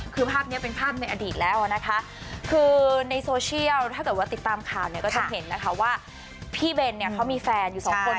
คือภาพนี้เป็นภาพในอดีตแล้วนะคะคือในโซเชียลถ้าเกิดว่าติดตามข่าวเนี่ยก็จะเห็นนะคะว่าพี่เบนเนี่ยเขามีแฟนอยู่สองคน